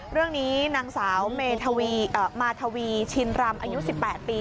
เรื่องนี้นางสาวมาทวีชินรำอายุ๑๘ปี